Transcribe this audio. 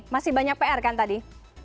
masih banyak pr kan tadi